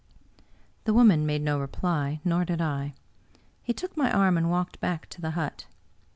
The woman made no reply, nor did I. He took my arm and walked back to the hut.